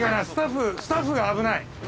スタッフスタッフが危ない。